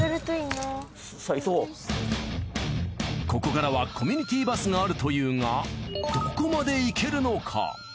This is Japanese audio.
ここからはコミュニティバスがあるというがどこまで行けるのか？